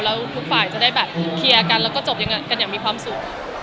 แล้วทุกฝ่ายจะได้แบบเคลียร์กันแล้วก็จบยังไงกันอย่างมีความสุข